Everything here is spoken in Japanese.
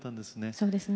そうですね。